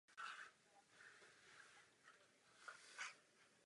Na území spadající pod Hlubokou se nachází několik dalších méně významných rybníků.